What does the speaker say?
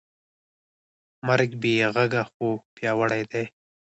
مرګ بېغږه خو پیاوړی دی.